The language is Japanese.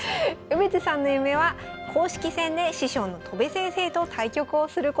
梅津さんの夢は公式戦で師匠の戸辺先生と対局をすることだそうです。